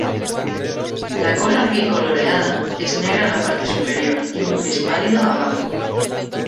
La cola bi-coloreada es negra en la parte superior y un gris pálido abajo.